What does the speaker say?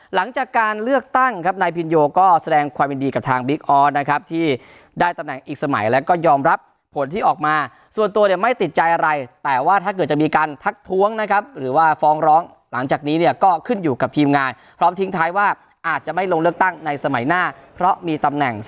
หลังจากการเลือกตั้งครับนายพินโยก็แสดงความยินดีกับทางบิ๊กออสนะครับที่ได้ตำแหน่งอีกสมัยแล้วก็ยอมรับผลที่ออกมาส่วนตัวเนี่ยไม่ติดใจอะไรแต่ว่าถ้าเกิดจะมีการทักท้วงนะครับหรือว่าฟ้องร้องหลังจากนี้เนี่ยก็ขึ้นอยู่กับทีมงานพร้อมทิ้งท้ายว่าอาจจะไม่ลงเลือกตั้งในสมัยหน้าเพราะมีตำแหน่ง